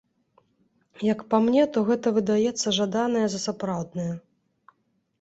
Як па мне, то гэта выдаецца жаданае за сапраўднае.